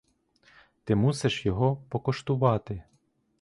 Ти мусиш його покуштувати.